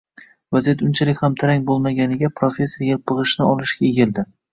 Vaziyat unchalik ham tarang bo`lmaganiga professor elpig`ichni olishga egildi